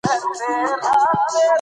هغه خپله صافه له ونې څخه بېرته واخیسته.